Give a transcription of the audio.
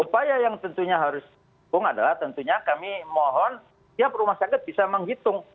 upaya yang tentunya harus dihubung adalah tentunya kami mohon tiap rumah sakit bisa menghitung